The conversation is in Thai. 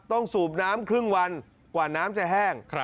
สูบน้ำครึ่งวันกว่าน้ำจะแห้ง